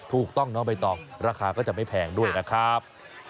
ถูกต้องน้องใบตองราคาก็จะไม่แพงด้วยนะครับ